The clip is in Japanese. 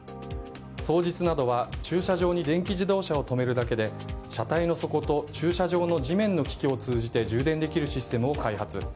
双日などは駐車場に電気自動車を止めるだけで車体の底と駐車場の地面の機器を通じて充電できるシステムを開発。